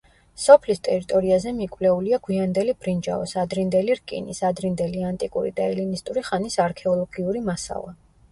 სოფლის ტერიტორიაზე მიკვლეულია გვიანდელი ბრინჯაოს, ადრინდელი რკინის, ადრინდელი ანტიკური და ელინისტური ხანის არქეოლოგიური მასალა.